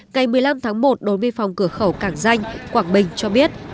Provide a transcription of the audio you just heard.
ngày một mươi năm tháng một đối với phòng cửa khẩu cảng danh quảng bình cho biết